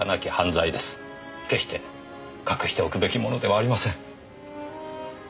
決して隠しておくべきものではありません。